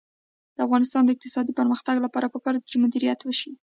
د افغانستان د اقتصادي پرمختګ لپاره پکار ده چې مدیریت وشي.